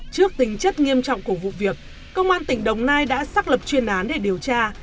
trước tính chất nghiêm trọng của vụ việc công an tỉnh đồng nai đã xác lập chuyên án để điều tra